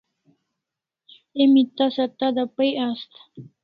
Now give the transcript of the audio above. Emi tasa tada pai asta